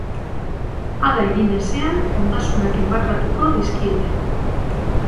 Hala egin ezean, ondasunak enbargatuko dizkiete.